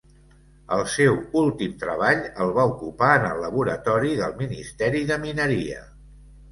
El seu últim treball el va ocupar en el laboratori del Ministeri de Mineria.